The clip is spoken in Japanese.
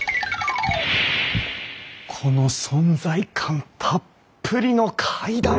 この存在感たっぷりの階段！